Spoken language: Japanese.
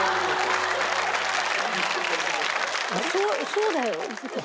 そうだよ。